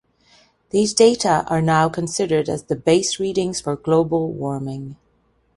These data are now considered as the base readings for global warming.